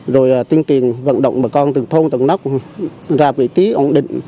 rồi tiên kiềng vận động bà con tầng thâu tầng nóc ra vị trí ổn định